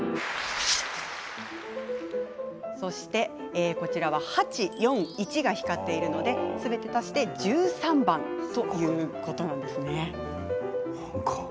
そして、こちらは８、４、１が光っているのですべて足して１３番の曲ということなんです。